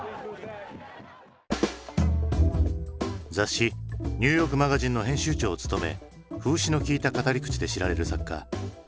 雑誌「ニューヨークマガジン」の編集長を務め風刺のきいた語り口で知られる作家カート・アンダーセン。